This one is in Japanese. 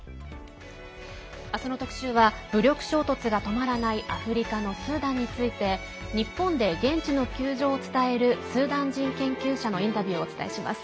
明日の特集は武力衝突が止まらないアフリカのスーダンについて日本で現地の窮状を伝えるスーダン人研究者のインタビューをお伝えします。